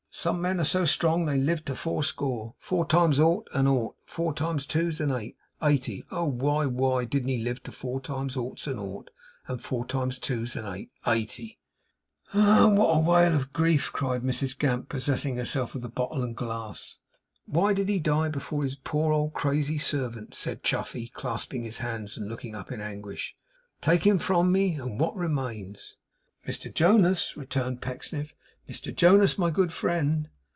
Some men are so strong that they live to four score four times ought's an ought, four times two's an eight eighty. Oh! why why why didn't he live to four times ought's an ought, and four times two's an eight, eighty?' 'Ah! what a wale of grief!' cried Mrs Gamp, possessing herself of the bottle and glass. 'Why did he die before his poor old crazy servant?' said Chuffey, clasping his hands and looking up in anguish. 'Take him from me, and what remains?' 'Mr Jonas,' returned Pecksniff, 'Mr Jonas, my good friend.